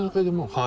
はい。